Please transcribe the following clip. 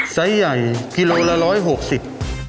ไซส์ใหญ่กิโลละ๑๖๐บาท